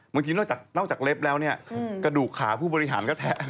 บางทีนอกจากเล็บแล้วกระดูกขาผู้บริหารกระแทะ